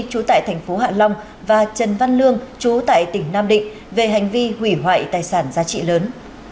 trú tại thành phố hạ long và trần văn lương chú tại tỉnh nam định về hành vi hủy hoại tài sản giá trị lớn